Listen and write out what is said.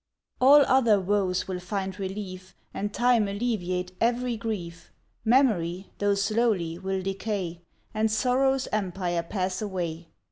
All other woes will find relief, And time alleviate every grief; Memory, though slowly, will decay, And Sorrow's empire pass away.